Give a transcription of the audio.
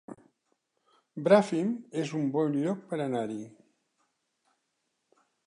Bràfim es un bon lloc per anar-hi